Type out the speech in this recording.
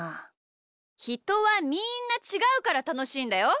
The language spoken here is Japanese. ひとはみんなちがうからたのしいんだよ。